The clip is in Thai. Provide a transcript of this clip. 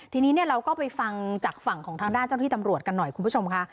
ทีนี้เราก็ไปฟังจากฝั่งของทางด้านเจ้าที่ตำรวจกันหน่อยคุณผู้ชมค่ะ